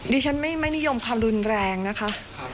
ดิฉันไม่นิยมความรุนแรงนะคะ